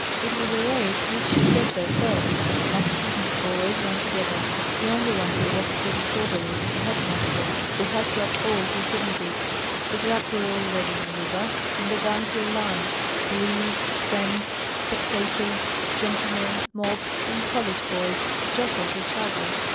It was a race which should get there first; masters and boys ran together. The only one who walked pretty soberly was the head master, who had to uphold his dignity. The drags were already in the river, and the banks were lined; police, friends, spectators, gentlemen, mob, and college boys, jostled each other.